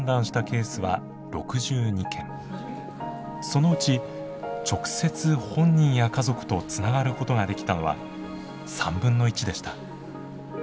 そのうち直接本人や家族とつながることができたのは３分の１でした。